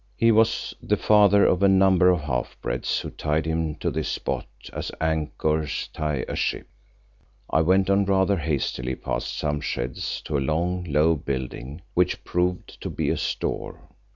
He was the father of a number of half breeds who tied him to this spot as anchors tie a ship. I went on rather hastily past some sheds to a long, low building which proved to be a store.